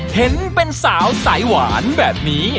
เห็นเป็นสาวสายหวานแบบนี้